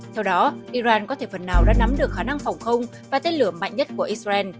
theo đó iran có thể phần nào đã nắm được khả năng phòng không và tên lửa mạnh nhất của israel